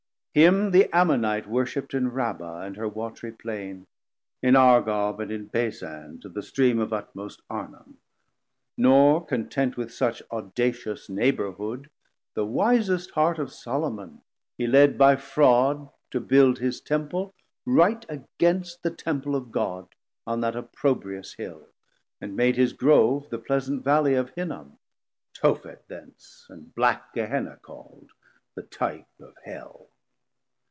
Him the Ammonite Worshipt in Rabba and her watry Plain, In Argob and in Basan, to the stream Of utmost Arnon. Nor content with such Audacious neighbourhood, the wisest heart 400 Of Solomon he led by fraud to build His Temple right against the Temple of God On that opprobrious Hill, and made his Grove The pleasant Vally of Hinnom, Tophet thence And black Gehenna call'd, the Type of Hell.